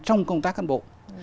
trong công tác căn bộ